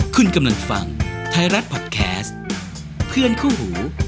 คุณกำลังฟังไทยรัฐพอดแคสต์เพื่อนคู่หู